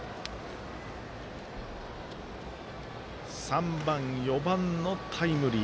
３番、４番のタイムリー。